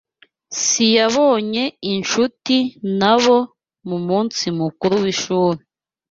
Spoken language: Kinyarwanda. [S] Yabonye inshuti nabo mu munsi mukuru w’ishuri.